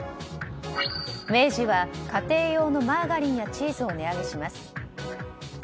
明治は家庭用のマーガリンやチーズを値上げします。